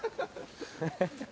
ハハハハ！